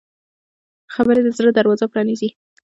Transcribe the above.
خبرې د زړه دروازه پرانیزي